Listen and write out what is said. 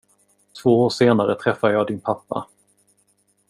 Två år senare träffade jag din pappa.